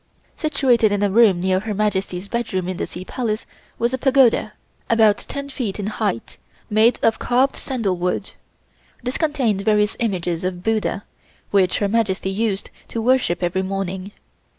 Situated in a room near Her Majesty's bedroom in the Sea Palace was a Pagoda, about ten feet in height, made of carved sandalwood. This contained various images of Buddha, which Her Majesty used to worship every morning.